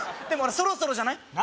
でもそろそろじゃない？